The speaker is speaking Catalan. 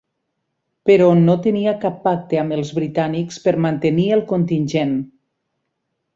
Però no tenia cap pacte amb els britànics per mantenir el contingent.